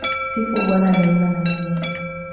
Sifu bwana daima na milele